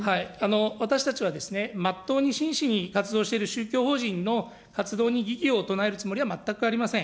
私たちはまっとうに真摯に活動している宗教法人の活動に疑義を唱えるつもりは全くありません。